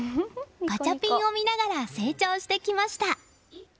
ガチャピンを見ながら成長してきました。